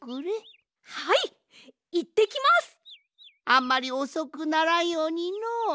あんまりおそくならんようにのう。